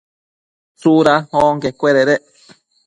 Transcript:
¿tsuda onquecuededec?